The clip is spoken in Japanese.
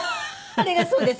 あれがそうです。